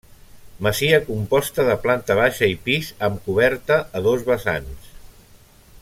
Masia composta de planta baixa i pis, amb coberta a dos vessants.